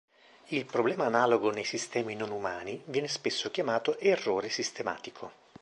Il problema analogo nei sistemi non umani viene spesso chiamato "errore sistematico".